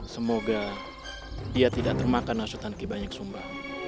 semoga dia tidak termakan hasutan ki banyak sumba